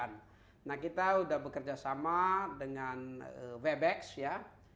nah kita sudah bekerja sama dengan webex ya